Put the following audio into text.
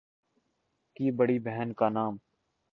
کی بڑی بہن کا نام